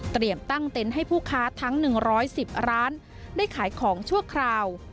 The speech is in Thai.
ตั้งเต็นต์ให้ผู้ค้าทั้ง๑๑๐ร้านได้ขายของชั่วคราว